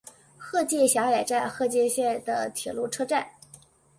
鹤见小野站鹤见线的铁路车站。